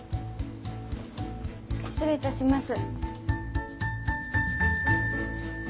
失礼いたします。